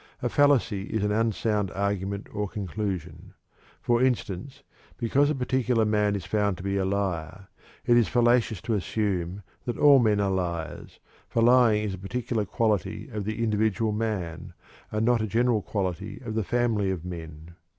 A fallacy is an unsound argument or conclusion. For instance, because a particular man is found to be a liar, it is fallacious to assume that "all men are liars," for lying is a particular quality of the individual man, and not a general quality of the family of men.